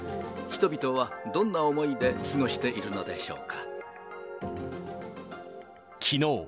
人々はどんな思いで過ごしているのでしょうか。